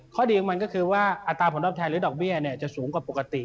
ดีของมันก็คือว่าอัตราผลตอบแทนหรือดอกเบี้ยจะสูงกว่าปกติ